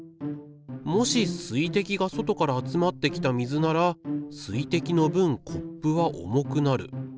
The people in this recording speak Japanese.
もし水滴が外から集まってきた水なら水滴の分コップは重くなる。